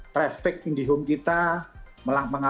traffic indihub kita melanggar